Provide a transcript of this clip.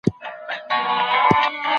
څه شی د قاضیانو خپلواکي تضمینوي؟